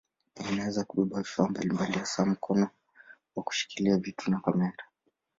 Inaweza kubeba vifaa mbalimbali hasa mkono wa kushikilia vitu na kamera.